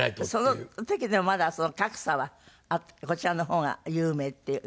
その時でもまだ格差はこちらの方が有名っていう感じ？